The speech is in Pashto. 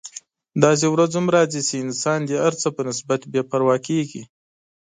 داسې ورځ هم راځي چې انسان د هر څه په نسبت بې پروا کیږي.